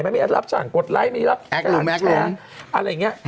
ไม่ได้รับจ่างกดไลค์ไม่ได้รับแชร์อะไรอย่างนี้